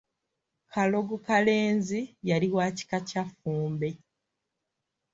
Kalogokalenzi yali wa kika kya Ffumbe.